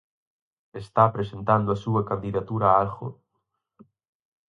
Está presentando a súa candidatura a algo?